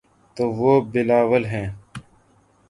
تو وہ بلاول ہیں۔